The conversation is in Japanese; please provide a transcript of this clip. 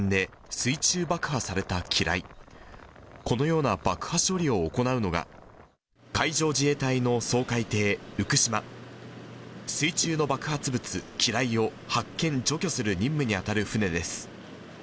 水中の爆発物、機雷を発見・除去する任務に当たる船です。